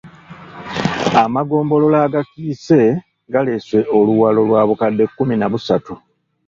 Amagombolola agakiise galeese oluwalo lwa bukadde kkumi na busatu.